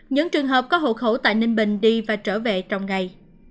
những trường hợp có hộ khẩu tại ninh bình đi và trở về trong ngày